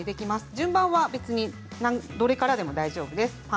順番は別にどれからでも大丈夫です。